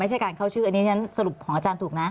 ไม่ใช่การเข้าชื่ออันนี้ฉันสรุปของอาจารย์ถูกนะ